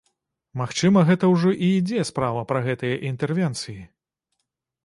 Магчыма, гэта ўжо і ідзе справа пра гэтыя інтэрвенцыі?